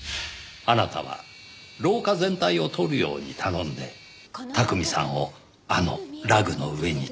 あなたは廊下全体を撮るように頼んで巧さんをあのラグの上に立たせた。